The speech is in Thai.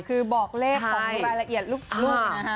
คือบอกเลขของรายละเอียดลูกนะฮะ